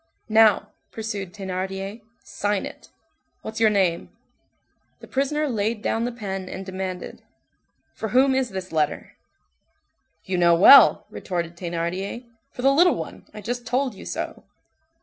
"Now," pursued Thénardier, "sign it. What's your name?" The prisoner laid down the pen and demanded:— "For whom is this letter?" "You know well," retorted Thénardier, "for the little one I just told you so."